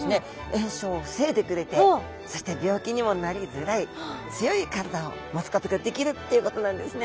炎症を防いでくれてそして病気にもなりづらい強い体を持つことができるっていうことなんですね。